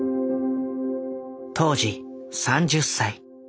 当時３０歳。